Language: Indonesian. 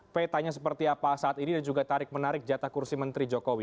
petanya seperti apa saat ini dan juga tarik menarik jatah kursi menteri jokowi